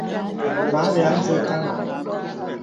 Mə àlə̀ ā nzə kanà.